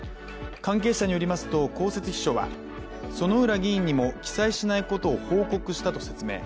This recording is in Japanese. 関係者によりますと、公設秘書は薗浦議員にも記載しないことを報告したと説明